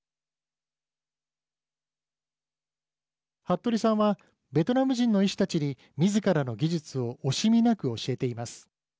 服部さんはベトナム人の医師たちにみずからの技術を惜しみなく教えています。